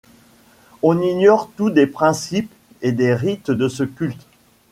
On ignore tout des principes et des rites de ce culte.